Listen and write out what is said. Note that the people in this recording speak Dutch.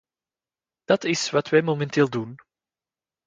Dat is wat wij momenteel doen.